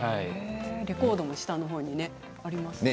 レコードの下のほうにありますね。